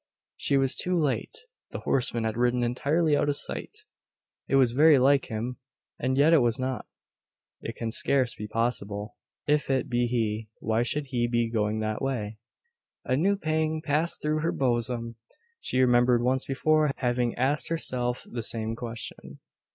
She was too late. The horseman had ridden entirely out of sight. "It was very like him, and yet it was not. It can scarce be possible. If it be he, why should he be going that way?" A new pang passed through her bosom. She remembered once before having asked herself the same question.